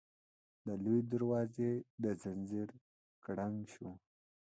د لويي دروازې د ځنځير کړنګ شو.